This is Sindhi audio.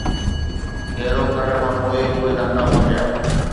گهيرو ڪرڻ کان پوءِ اهي ناڪام موٽيا